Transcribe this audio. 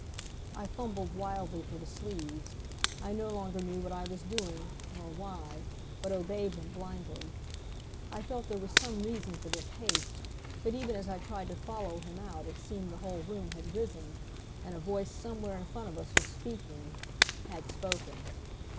I fumbled wildly for the sleeves. I no longer knew what I was doing, nor why, but obeyed him blindly. I felt there was some reason for this haste, but even as I tried to follow him out it seemed the whole room had risen, and a voice somewhere in front of us was speaking had spoken.